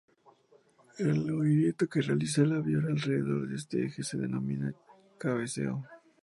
El movimiento que realiza el avión alrededor de este eje se denomina cabeceo.